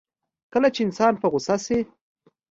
کله چې انسان په غوسه شي.